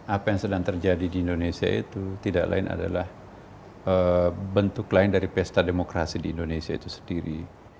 apa yang sedang terjadi di indonesia itu tidak lain adalah bentuk lain dari pesta demokrasi di indonesia itu sendiri